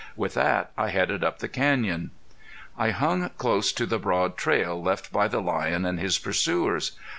With that I headed up the canyon. I hung close to the broad trail left by the lion and his pursuers.